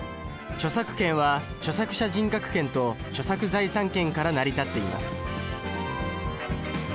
著作権は著作者人格権と著作財産権から成り立っています。